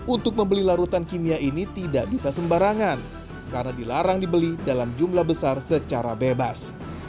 untuk membeli larutan kimia ini tidak bisa sembarangan karena dilarang dibeli dalam jumlah besar secara bebas